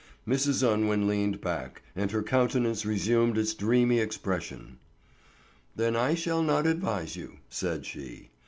Mrs. Unwin leaned back, and her countenance resumed its dreamy expression. "Then I shall not advise you," said she.